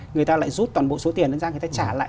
người ta lại rút toàn bộ số tiền lên ra người ta trả lại